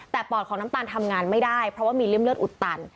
แต่ปอดของน้ำตาลทำงานไม่ได้เพราะว่ามีริ่มเลือดอุดตัน